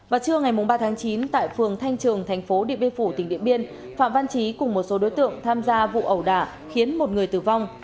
vào trưa ngày ba tháng chín tại phường thanh trường thành phố điện biên phủ tỉnh điện biên phạm văn trí cùng một số đối tượng tham gia vụ ẩu đả khiến một người tử vong